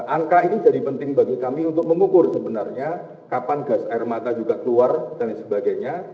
angka ini jadi penting bagi kami untuk mengukur sebenarnya kapan gas air mata juga keluar dan sebagainya